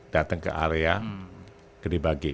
datang ke area ke dibagi